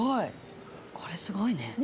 これすごいね。